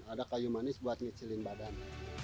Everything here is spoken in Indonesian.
ada kayu manis buat nyicilin badan